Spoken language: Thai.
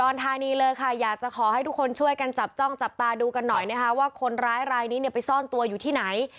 ธานีเลยค่ะอยากจะขอให้ทุกคนช่วยกันจับจ้องจับตาดูกันหน่อยนะคะว่าคนร้ายรายนี้เนี่ยไปซ่อนตัวอยู่ที่ไหน